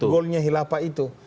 goalnya itu khilafah itu